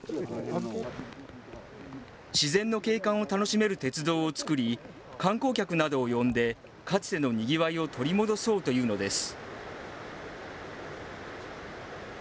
自然の景観を楽しめる鉄道を作り、観光客などを呼んで、かつてのにぎわいを取り戻そうというのです。